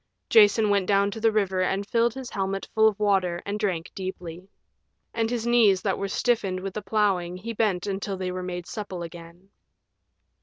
Jason went down to the river and filled his helmet full of water and drank deeply. And his knees that were stiffened with the plowing he bent until they were made supple again.